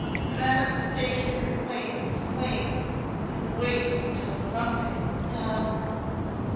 And I must stay here and wait and wait and wait until some day ! Donal!